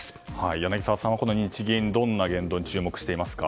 柳澤さん、この日銀どんな言動に注目していますか。